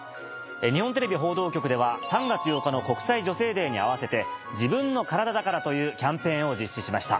日本テレビ報道局では３月８日の国際女性デーに合わせて「＃自分のカラダだから」というキャンペーンを実施しました。